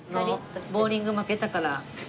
ボウリング負けたから。